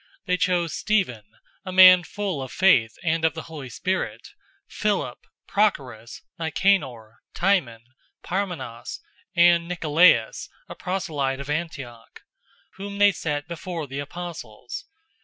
They chose Stephen, a man full of faith and of the Holy Spirit, Philip, Prochorus, Nicanor, Timon, Parmenas, and Nicolaus, a proselyte of Antioch; 006:006 whom they set before the apostles.